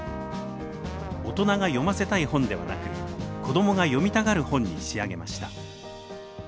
大人が読ませたい本ではなく子どもが読みたがる本に仕上げました。